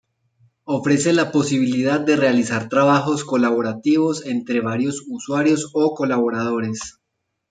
Ofrece la posibilidad de realizar trabajos colaborativos entre varios usuarios o colaboradores.